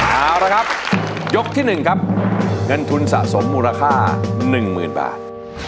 เอาละครับยกที่๑ครับเงินทุนสะสมมูลค่า๑๐๐๐บาท